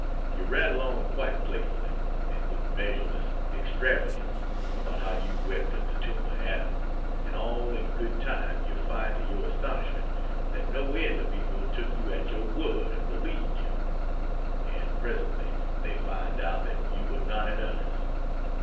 You rattle on quite playfully, and with measureless extravagance, about how you wept at the tomb of Adam; and all in good time you find to your astonishment that no end of people took you at your word and believed you. And presently they find out that you were not in earnest.